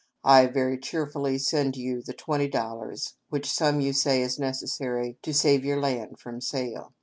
I very cheerfully send you the twenty dollars, which sum you say is necessary to save your land from sale.